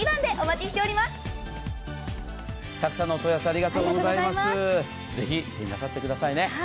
ぜひお手になさってくださいね。